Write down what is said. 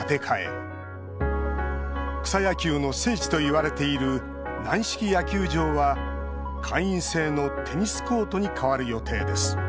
草野球の聖地といわれている軟式野球場は会員制のテニスコートに変わる予定です。